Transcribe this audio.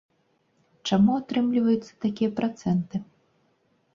Чаму атрымліваюцца такія працэнты?